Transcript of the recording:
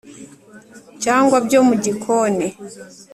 cyangwa byo mu gikoni.